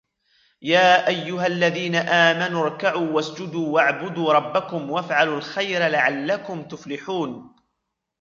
يَا أَيُّهَا الَّذِينَ آمَنُوا ارْكَعُوا وَاسْجُدُوا وَاعْبُدُوا رَبَّكُمْ وَافْعَلُوا الْخَيْرَ لَعَلَّكُمْ تُفْلِحُونَ